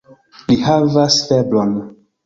Li havas febron.